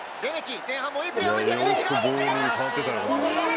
前半もいいプレーを見せたレメキが大外。